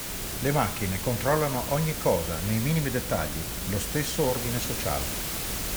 Le macchine controllano ogni cosa nei minimi dettagli, lo stesso ordine sociale.